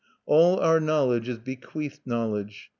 All our knowledge is bequeathed knowledge.